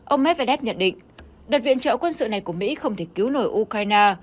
ông medvedev nhận định đợt viện trợ quân sự này của mỹ không thể cứu nổi ukraine